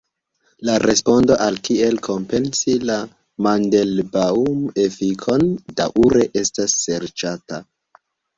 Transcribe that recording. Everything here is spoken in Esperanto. La respondo al kiel kompensi la "Mandelbaŭm-efikon" daŭre estas serĉata.